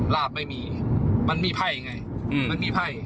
ลาบไม่มีมันมีไพ่ไงมันมีไพ่